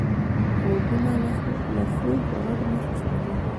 غوږونه له خوږ غږ نه خوشحالېږي